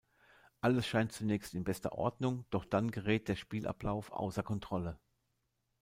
Alles scheint zunächst in bester Ordnung, doch dann gerät der Spielablauf außer Kontrolle.